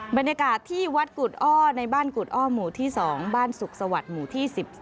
บรรยากาศที่วัดกุฎอ้อในบ้านกุฎอ้อหมู่ที่๒บ้านสุขสวัสดิ์หมู่ที่๑๔